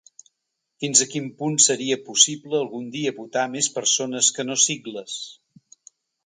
Fins a quin punt seria possible algun dia votar més persones que no sigles.